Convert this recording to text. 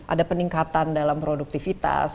ada peningkatan dalam produktivitas